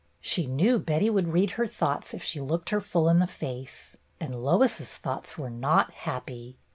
She knew Betty would read her thoughts if she looked her full in the face. And Lois's thoughts were not happy.